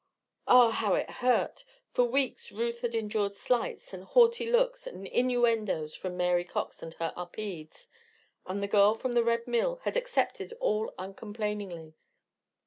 Ah! how it hurt! For weeks Ruth had endured slights, and haughty looks, and innuendoes from Mary Cox and her Upedes and the girl from the Red Mill had accepted all uncomplainingly.